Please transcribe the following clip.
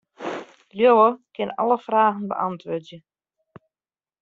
Liuwe kin alle fragen beäntwurdzje.